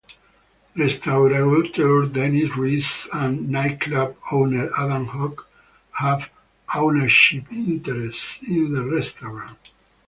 Restaurateur Dennis Riese and nightclub owner Adam Hock have ownership interests in the restaurant.